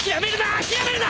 諦めるな！